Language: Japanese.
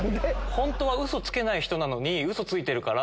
本当はウソつけない人なのにウソついてるから。